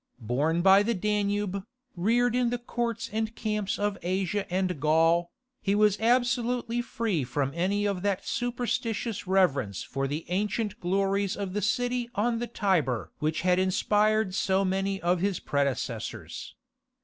Born by the Danube, reared in the courts and camps of Asia and Gaul, he was absolutely free from any of that superstitious reverence for the ancient glories of the city on the Tiber which had inspired so many of his predecessors.